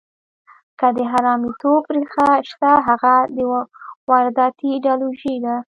که د حرامیتوب ریښه شته، هغه د وارداتي ایډیالوژیو ده.